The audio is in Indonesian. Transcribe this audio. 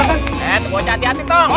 eh tuh bocah hati hati tong